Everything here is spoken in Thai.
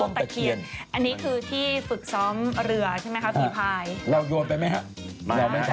ไม่ใช่ไม่โยนไปจีบกอง